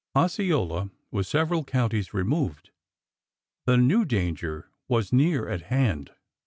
Osceola was several counties removed. The new danger was near at hand.